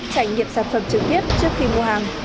trải nghiệm sản phẩm trực tiếp trước khi mua hàng